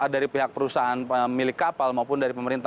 dari pihak perusahaan pemilik kapal maupun dari pemerintah